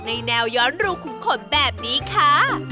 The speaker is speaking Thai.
ในแนวย้อนรูขุมขนแบบนี้ค่ะ